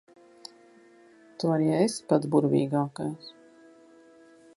Tu arī esi pats burvīgākais.